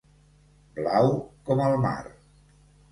Blau com el mar.